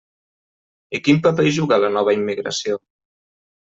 ¿I quin paper hi juga la nova immigració?